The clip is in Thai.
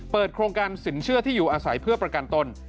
โครงการสินเชื่อที่อยู่อาศัยเพื่อประกันตน